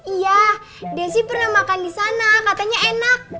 iya desy pernah makan disana katanya enak